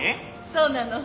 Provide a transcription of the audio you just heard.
そうなの。